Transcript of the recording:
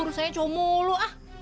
rusainya comoh lu